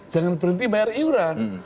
jangan berhenti bayar iuran